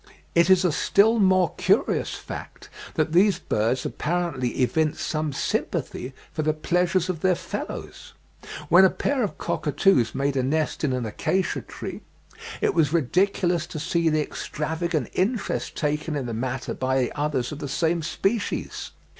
It is a still more curious fact that these birds apparently evince some sympathy for the pleasures of their fellows. When a pair of cockatoos made a nest in an acacia tree, "it was ridiculous to see the extravagant interest taken in the matter by the others of the same species."